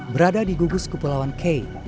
berada di gugus kepulauan kai